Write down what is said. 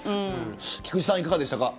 菊地さん、いかがでしたか。